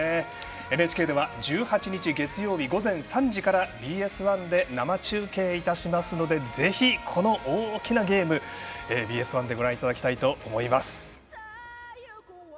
ＮＨＫでは１８日、月曜日午前３時からＢＳ１で生中継いたしますのでぜひ、この大きなゲームＢＳ１でご覧いただきたいと思います。